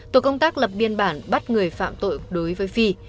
tổ công tác lập biên bản bắt người phạm tội đối với phi